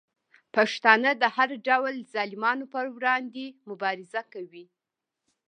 پښتانه د هر ډول ظالمانو په وړاندې مبارزه کوي.